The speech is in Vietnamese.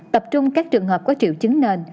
tập trung các trường hợp có triệu chứng nền